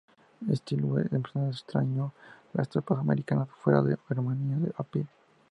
Stilwell en persona extrajo a las tropas americanas fuera de Birmania a pie.